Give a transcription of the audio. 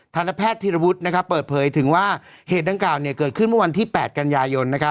ธนแพทย์ธิรวุฒิเปิดเผยถึงว่าเหตุดังกล่าวเกิดขึ้นเมื่อวันที่๘กันยายน